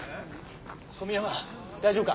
古宮山大丈夫か？